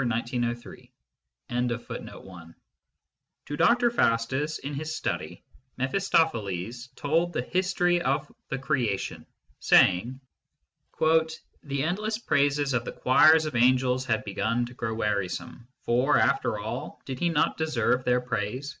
Ill A FREE MAN S WORSHIP 1 TO Dr. Faustus in his study Mephistopheles told the history of the Creation, saying :" The endless praises of the choirs of angels had begun to grow wearisome ; for, after all, did he not deserve their praise